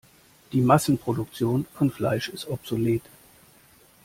Die Massenproduktion von Fleisch ist obsolet.